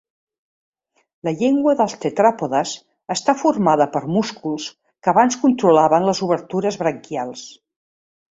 La llengua dels tetràpodes està formada per músculs que abans controlaven les obertures branquials.